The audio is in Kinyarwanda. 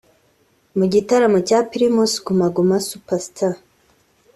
Mu gitaramo cya Primus Guma Guma Super Star